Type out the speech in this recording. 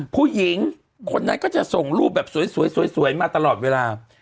ผู้หญิงคนนั้นก็จะส่งรูปแบบสวยมาตลอดเวลา